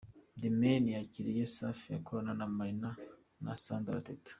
The Mane yakiriye Safi ikorana na Marina na Sandra Teta.